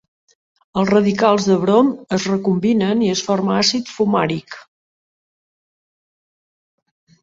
Els radicals de brom es recombinen i es forma àcid fumàric.